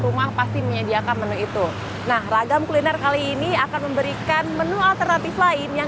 rumah pasti menyediakan menu itu nah ragam kuliner kali ini akan memberikan menu alternatif lain yang